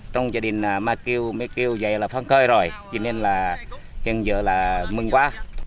trong gia đình ma kiều mới kêu vậy là phấn khởi rồi cho nên là kiến dự là mừng quá